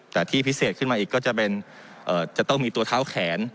แต่ที่พิเศษขึ้นมาอีกก็จะเป็นจะต้องมีตัวเท้าแขน